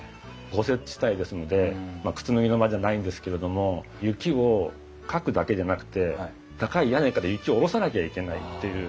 豪雪地帯ですので靴脱ぎの間じゃないんですけれども雪をかくだけでなくて高い屋根から雪を下ろさなきゃいけないっていう。